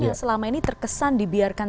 yang selama ini terkesan dibiarkan